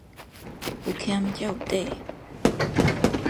有儉才有底